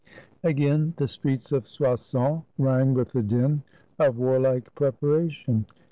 Again the streets of Soissons rang with the din of warlike preparation.